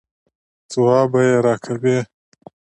ځواب به یې راکوئ.